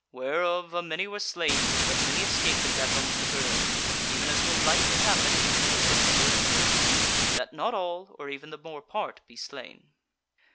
Whereof a many were slain, but many escaped and gat home to the Burg, even as will lightly happen even in the worst of overthrows, that not all, or even the more part be slain.